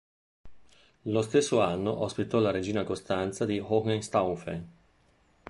Lo stesso anno ospitò la regina Costanza di Hohenstaufen.